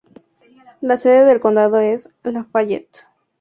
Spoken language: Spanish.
La sede del condado es Lafayette.